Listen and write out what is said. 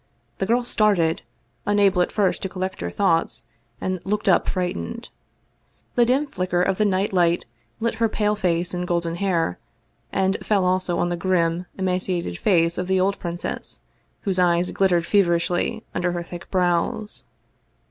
The girl started, unable at first jto collect her thoughts, and looked up frightened. The dim flicker of the night light lit her pale face and golden hair, and fell also on the grim, emaciated face of the old princess, whose eyes glit tered feverishly under her thick brows.